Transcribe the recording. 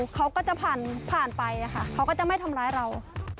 เขาก็จะผ่านไปเขาก็จะไม่ทำร้ายเรา